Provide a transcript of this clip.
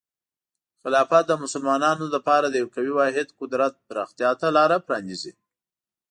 خلافت د مسلمانانو لپاره د یو قوي واحد قدرت پراختیا ته لاره پرانیزي.